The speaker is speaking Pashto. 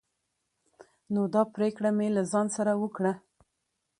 نو دا پريکړه مې له ځان سره وکړه